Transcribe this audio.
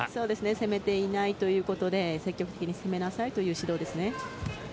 攻めていないということで積極的に攻めなさいという指導ですね。